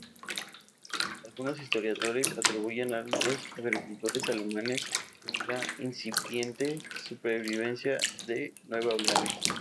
Algunos historiadores atribuyen a los agricultores alemanes la incipiente supervivencia de Nueva Orleans.